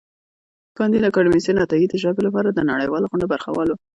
کانديد اکاډميسن عطايي د ژبې لپاره د نړیوالو غونډو برخه وال و.